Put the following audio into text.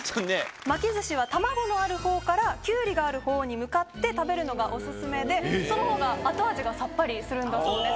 巻き寿司は卵のあるほうからきゅうりがあるほうに向かって食べるのがオススメでそのほうが後味がさっぱりするんだそうです。